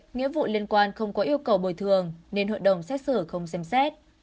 nghĩa vụ liên quan không có yêu cầu bồi thường nên hội đồng xét xử không xem xét